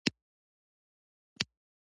زموږ کور پاک دی